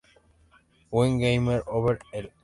Win: Game Over, el.